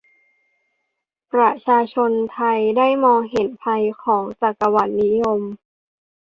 ประชาชนไทยได้มองเห็นภัยของจักรวรรดินิยม